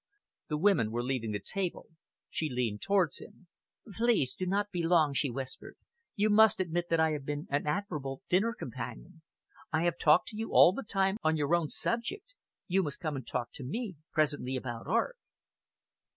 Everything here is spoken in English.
The women were leaving the table. She leaned towards him. "Please do not be long," she whispered. "You must admit that I have been an admirable dinner companion. I have talked to you all the time on your own subject. You must come and talk to me presently about art."